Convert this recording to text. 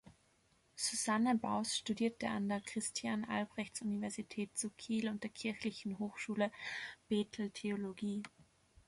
Susanne Baus studierte an der Christian-Albrechts-Universität zu Kiel und der Kirchlichen Hochschule Bethel Theologie.